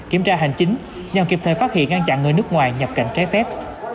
kiểm tra hành chính nhằm kịp thời phát hiện ngăn chặn người nước ngoài nhập cảnh trái phép